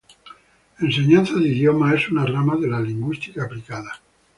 Enseñanzas de idiomas es una rama de la lingüística aplicada.